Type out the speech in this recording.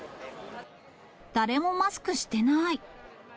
誰もマスクしてない。